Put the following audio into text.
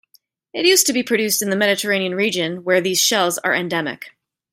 It used to be produced in the Mediterranean region where these shells are endemic.